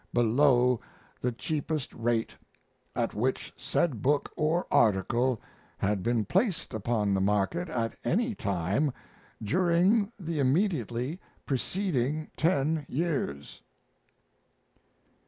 below the cheapest rate at which said book or article had been placed upon the market at any time during the immediately preceding ten years.